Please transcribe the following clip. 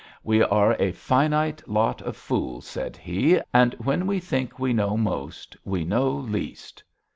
'We are a finite lot of fools,' said he, 'and when we think we know most we know least.